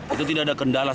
itu tidak ada kendala